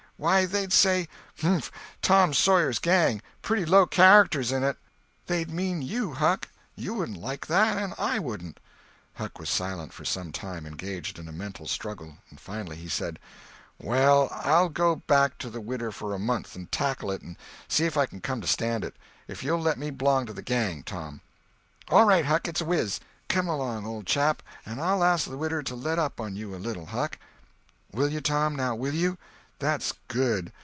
Why, they'd say, 'Mph! Tom Sawyer's Gang! pretty low characters in it!' They'd mean you, Huck. You wouldn't like that, and I wouldn't." Huck was silent for some time, engaged in a mental struggle. Finally he said: "Well, I'll go back to the widder for a month and tackle it and see if I can come to stand it, if you'll let me b'long to the gang, Tom." "All right, Huck, it's a whiz! Come along, old chap, and I'll ask the widow to let up on you a little, Huck." "Will you, Tom—now will you? That's good.